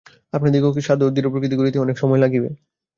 আপনাদিগকে সাধু ও ধীরপ্রকৃতি করিতে অনেক সময় লাগিবে।